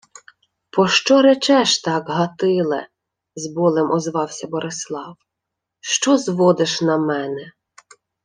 — Пощо речеш так, Гатиле? — з болем озвався Борислав. — Що зводиш на мене?..